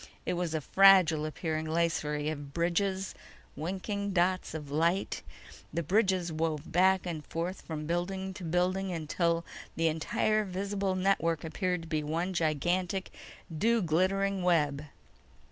It was a fragile appearing lacery of bridges, winking dots of light. The bridges wove back and forth from building to building until the entire visible network appeared one gigantic dew glittering web.